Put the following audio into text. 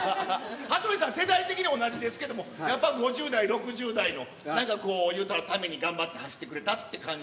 羽鳥さん、世代的に同じですけども、やっぱ５０代、６０代のなんかこう、言うたら、ために頑張って走ってくれたという。